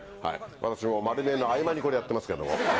私もまる見えの合間に、これやってますけども。